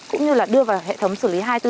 cũng như là đưa vào hệ thống xử lý hai mươi bốn